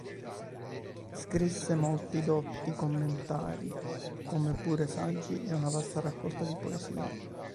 Scrisse molti dotti commentari, come pure saggi e una vasta raccolta di poesia.